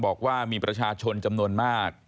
บอกว่ามีประชาชนจำนวนมาก